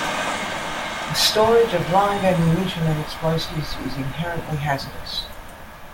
The storage of live ammunition and explosives is inherently hazardous.